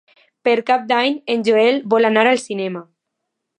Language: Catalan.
Per Cap d'Any en Joel vol anar al cinema.